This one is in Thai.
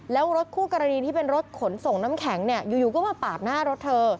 แล้วรถคู่กรณีที่เป็นรถขนส่งน้ำแข็งเนี่ยอยู่ก็มาปาดหน้ารถเธอ